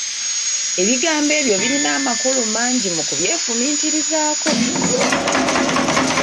Ebigambo ebyo birina amakulu mangi mu kubyefumiitirizaako!